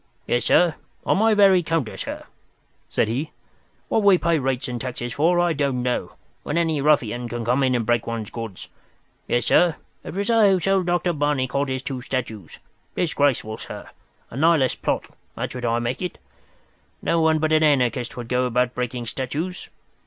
"Yes, sir. On my very counter, sir," said he. "What we pay rates and taxes for I don't know, when any ruffian can come in and break one's goods. Yes, sir, it was I who sold Dr. Barnicot his two statues. Disgraceful, sir! A Nihilist plot—that's what I make it. No one but an anarchist would go about breaking statues.